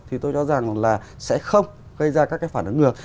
thì tôi cho rằng là sẽ không gây ra các cái phản ứng ngược